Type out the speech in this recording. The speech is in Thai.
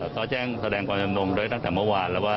เขาแจ้งแสดงกรรมดมโดยตั้งแต่เมื่อวานแล้วว่า